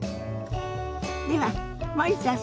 では森田さん